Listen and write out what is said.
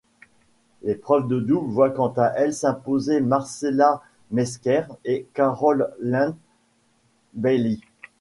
L'épreuve de double voit quant à elle s'imposer Marcella Mesker et Carol Lynn Baily.